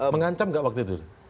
mengancam tidak waktu itu